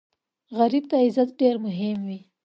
غریب ته عزت ډېر مهم وي